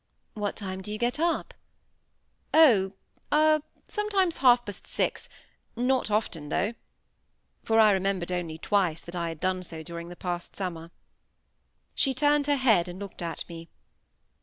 "What time do you get up?" "Oh!—ah!—sometimes half past six: not often though;" for I remembered only twice that I had done so during the past summer. She turned her head and looked at me.